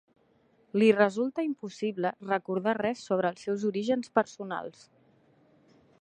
Li resulta impossible recordar res sobre els seus orígens personals.